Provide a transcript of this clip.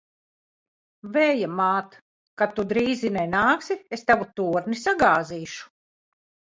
Vēja māt! Kad tu drīzi nenāksi, es tavu torni sagāzīšu!